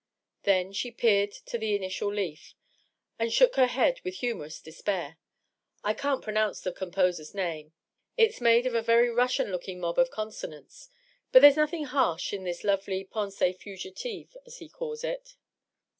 Then she peered at the initial leaf, and shook her head with humorous despair. ^^ 1 can't pronounce the composer's name. It's made of a very Russian looking mob of consonants. But there's nothing harsh in this lovely pen»^ fugitive, as he calls it.